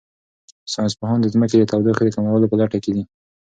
ساینس پوهان د ځمکې د تودوخې د کمولو په لټه کې دي.